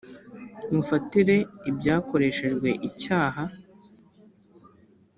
mufatire ibyakoreshejwe icyaha .